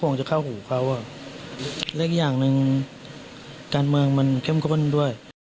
ผมจะเข้าหูเขาอ่ะและอีกอย่างหนึ่งการเมืองมันเข้มข้นด้วย